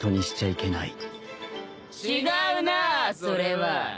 違うなぁそれは。